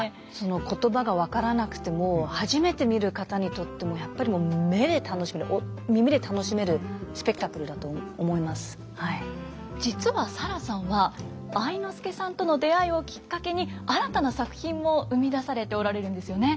言葉が分からなくても初めて見る方にとってもやっぱり実はサラさんは愛之助さんとの出会いをきっかけに新たな作品も生み出されておられるんですよね。